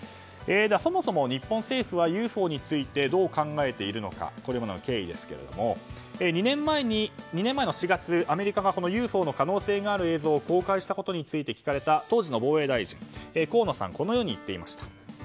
そもそも日本政府はＵＦＯについてどう考えているのかこれまでの経緯ですが２年前の４月、アメリカがこのＵＦＯの可能性がある映像を公開したことについて聞かれた当時の防衛大臣、河野さんはこのように言っていました。